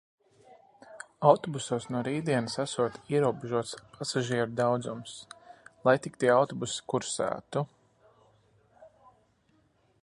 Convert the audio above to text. Autobusos no rītdienas esot ierobežots pasažieru daudzums. Lai tik tie autobusi kursētu...